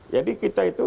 jadi kita itu